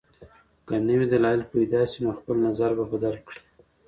که نوي دلایل پیدا سی نو خپل نظر به بدل کړي.